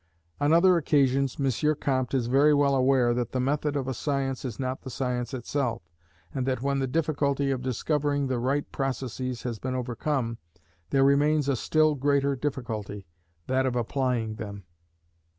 On other occasions M. Comte is very well aware that the Method of a science is not the science itself, and that when the difficulty of discovering the right processes has been overcome, there remains a still greater difficulty, that of applying them.